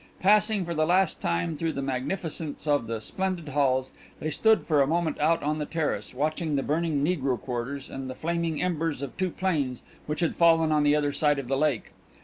Passing for the last time through the magnificence of the splendid halls, they stood for a moment out on the terrace, watching the burning negro quarters and the flaming embers of two planes which had fallen on the other side of the lake.